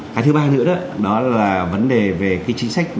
cái thứ ba nữa đó là vấn đề về cái chính sách